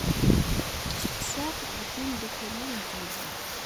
Steqsaɣ ɣef yemdukal-iw n temẓi.